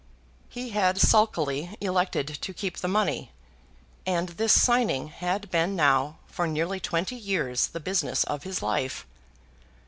He had sulkily elected to keep the money, and this signing had been now for nearly twenty years the business of his life.